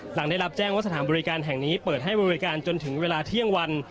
หลังได้รับแจ้งว่าสถานบริการแห่งนี้เปิดให้บริการจนถึงเวลาเที่ยงวัน